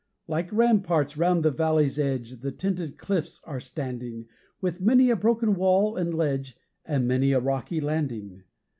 Like ramparts round the valley's edge The tinted cliffs are standing, With many a broken wall and ledge, And many a rocky landing.